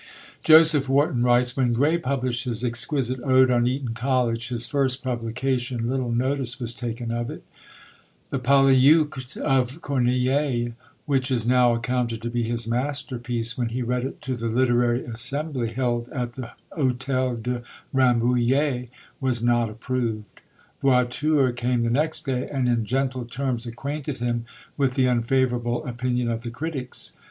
Joseph Warton writes, "When Gray published his exquisite Ode on Eton College, his first publication, little notice was taken of it." The Polyeucte of Corneille, which is now accounted to be his masterpiece, when he read it to the literary assembly held at the Hotel de Rambouillet, was not approved. Voiture came the next day, and in gentle terms acquainted him with the unfavourable opinion of the critics.